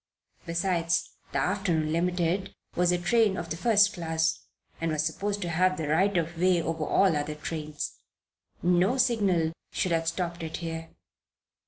Besides, the afternoon Limited was a train of the first class and was supposed to have the right of way over all other trains. No signal should have stopped it here.